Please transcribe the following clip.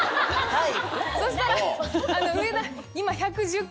はい。